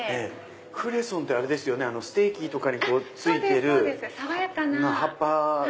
クレソンってステーキに付いてる葉っぱの。